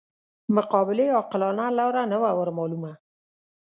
مقابلې عاقلانه لاره نه وه ورمعلومه.